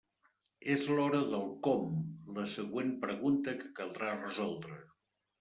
És l'hora del «com», la següent pregunta que caldrà resoldre.